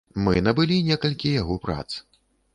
Мы набылі некалькі яго прац.